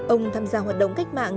ông tham gia hoạt động cách mạng